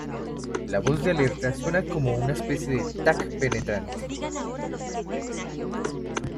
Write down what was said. La voz de alerta suena como una especie de "tac" penetrante.